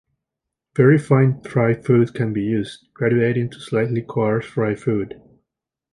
Very fine fry food can be used, graduating to slightly coarse fry food.